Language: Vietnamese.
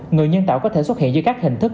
người nhân tạo có thể xuất hiện dưới các hình thức